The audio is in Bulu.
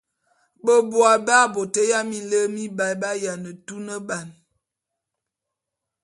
Beboabé a bôt ya minlem mibaé b’ayiane tuneban.